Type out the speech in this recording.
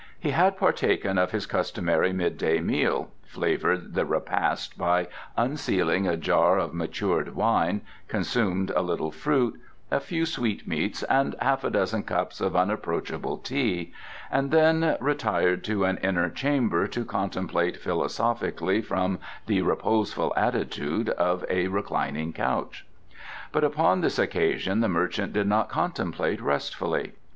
He had partaken of his customary midday meal, flavoured the repast by unsealing a jar of matured wine, consumed a little fruit, a few sweetmeats and half a dozen cups of unapproachable tea, and then retired to an inner chamber to contemplate philosophically from the reposeful attitude of a reclining couch. But upon this occasion the merchant did not contemplate restfully.